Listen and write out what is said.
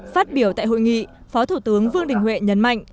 phát biểu tại hội nghị phó thủ tướng vương đình huệ nhấn mạnh